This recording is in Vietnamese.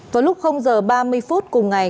vào lúc giờ ba mươi phút cùng ngày